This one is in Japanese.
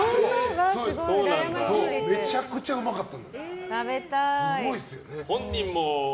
めちゃくちゃうまかった。